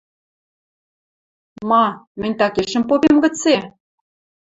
– Ма, мӹнь такешӹм попем гыце?